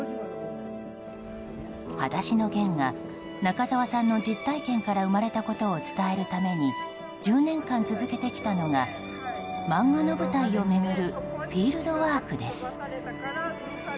「はだしのゲン」が中沢さんの実体験から生まれたことを伝えるために１０年間続けてきたのが漫画の舞台を巡るフィールドワークです。